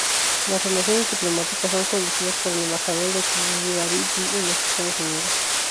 Las relaciones diplomáticas son conducidas por el Embajador de Kiribati en los Estados Unidos.